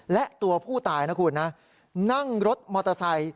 และตัวผู้ตายนั่งรถมอเตอร์ไซค์